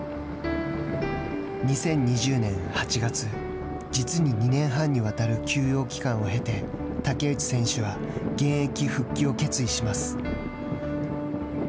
２０２０年８月実に２年半にわたる休養期間を経て竹内選手は現役復帰を決意します。